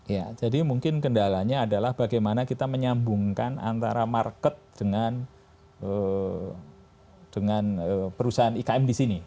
ya jadi mungkin kendalanya adalah bagaimana kita menyambungkan antara market dengan perusahaan ikm di sini